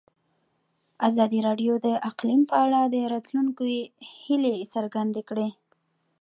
ازادي راډیو د اقلیم په اړه د راتلونکي هیلې څرګندې کړې.